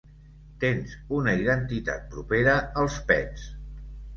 Tens una identitat propera als Pets.